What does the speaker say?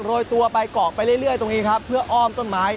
โรยตัวไปกรอกไปเรื่อยตรงนี้ครับเพื่ออ้อมต้นไม้